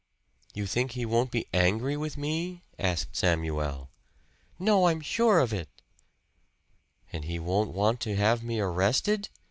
"You think he won't be angry with me?" asked Samuel. "No, I'm sure of it." "And he won't want to have me arrested?"